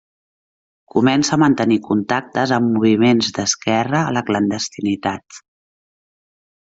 Comença a mantenir contactes amb moviments d'esquerra a la clandestinitat.